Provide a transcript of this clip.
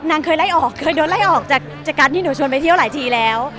นางเคยไล่ออกเคยโดนไล่ออกจากจากการที่หนูชวนไปเที่ยวหลายทีแล้ว